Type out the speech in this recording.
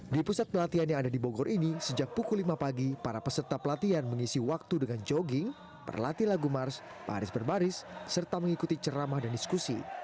di pusat pelatihan yang ada di bogor ini sejak pukul lima pagi para peserta pelatihan mengisi waktu dengan jogging berlatih lagu mars paris berbaris serta mengikuti ceramah dan diskusi